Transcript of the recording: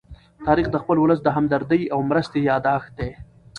تاریخ د خپل ولس د همدردۍ او مرستې يادښت دی.